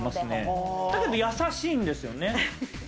でも、やさしいんですよね。